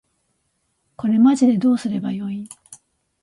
これマジでどうすれば良いん？